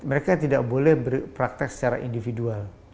mereka tidak boleh berpraktek secara individual